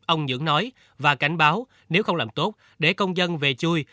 ông dưỡng nói và cảnh báo nếu không làm tốt để công dân về chui